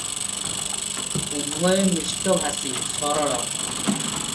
ଉଭୟେ ମିଷ୍ଟଭାଷୀ, ସରଳ ।